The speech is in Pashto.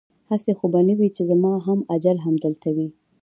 هسې خو به نه وي چې زما هم اجل همدلته وي؟